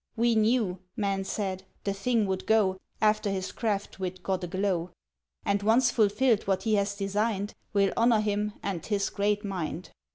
"We knew," men said, "the thing would go After his craft wit got aglow, "And, once fulfilled what he has designed, We'll honour him and his great mind!"